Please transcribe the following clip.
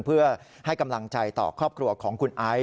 เพื่อให้กำลังใจต่อครอบครัวของคุณไอซ์